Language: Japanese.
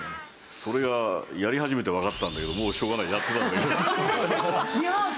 それがやり始めてわかったんだけどもうしょうがない。